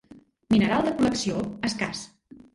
Mineral de col·lecció, escàs.